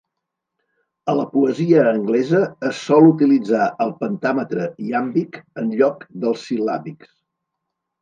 A la poesia anglesa, es sol utilitzar el pentàmetre iàmbic enlloc dels sil·làbics.